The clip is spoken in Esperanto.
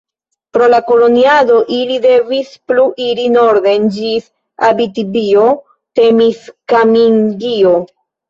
Pro la koloniado ili devis plu iri norden ĝis Abitibio-Temiskamingio.